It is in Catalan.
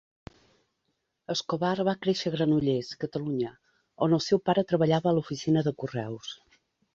Escobar va créixer a Granollers, Catalunya, on el seu pare treballava a l'oficina de correus.